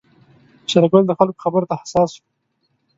شېرګل د خلکو خبرو ته حساس و.